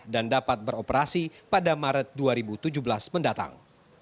dan dapat beroperasi pada maret dua ribu tujuh belas mendatang